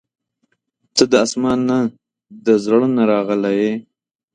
• ته د اسمان نه، د زړه نه راغلې یې.